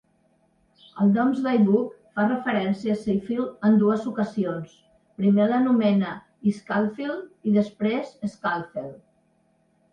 El "Domesday Book" fa referència a Sheffield en dues ocasions, primer l'anomena "Escafeld" i, després, "Scafeld".